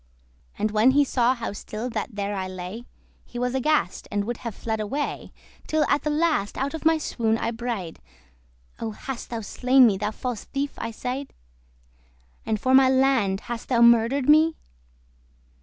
And when he saw how still that there I lay, He was aghast, and would have fled away, Till at the last out of my swoon I braid,* *woke "Oh, hast thou slain me, thou false thief?" I said "And for my land thus hast thou murder'd me?